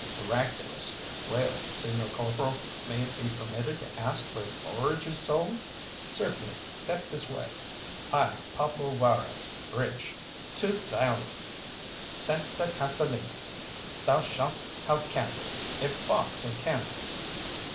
"Miraculous! Well, señor corporal, may it be permitted to ask where forage is sold?" "Certainly, step this way. I, Pablo Juarez, rich! Two thousand! Santa Catalina, thou shalt have candles, a box of candles!"